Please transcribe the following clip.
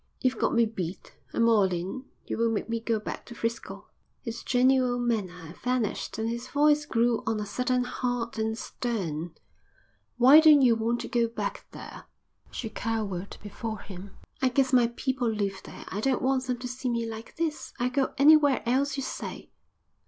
"You've got me beat. I'm all in. You won't make me go back to 'Frisco?" His genial manner vanished and his voice grew on a sudden hard and stern. "Why don't you want to go back there?" She cowered before him. "I guess my people live there. I don't want them to see me like this. I'll go anywhere else you say."